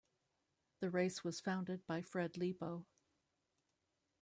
The race was founded by Fred Lebow.